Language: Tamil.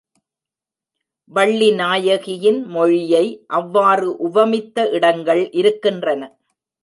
வள்ளி நாயகியின் மொழியை அவ்வாறு உவமித்த இடங்கள் இருக்கின்றன.